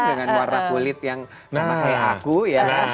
dengan warna kulit yang sama kayak aku ya kan